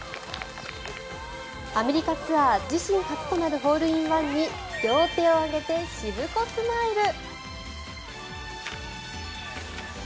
アメリカツアー自身初となるホールインワンに両手を上げてしぶこスマイル。